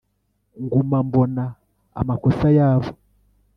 Nguma mbona amakosa yabo